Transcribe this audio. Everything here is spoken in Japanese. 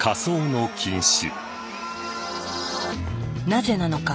なぜなのか。